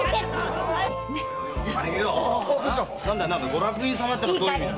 ご落胤様ってどういうことだ？